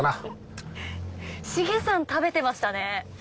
シゲさん食べてましたね！